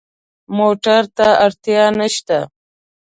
موټر ته اړتیا نه شته.